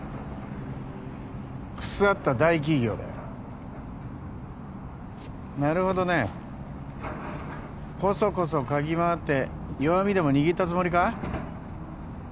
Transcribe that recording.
腐った大企業だよなるほどねコソコソ嗅ぎ回って弱みでも握ったつもりか？